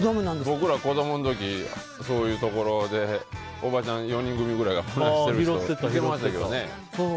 僕ら、子供のころそういうところでおばちゃん４人組くらいが拾ってましたけどね。